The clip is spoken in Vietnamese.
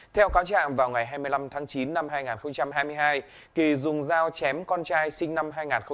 theo cáo trạng vào ngày hai mươi năm tháng chín năm hai nghìn hai mươi hai kỳ dùng dao chém con trai sinh năm hai nghìn hai mươi ba